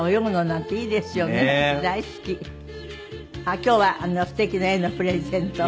あっ今日はすてきな絵のプレゼント。